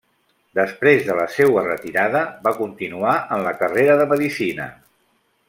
Després de la seua retirada, va continuar en la carrera de Medicina.